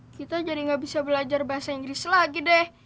kita jadi nggak bisa belajar bahasa inggris lagi deh